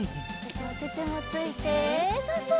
おててもついてそうそう。